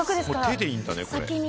手でいいんだねこれ。